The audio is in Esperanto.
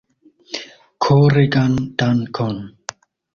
Koregan dankon!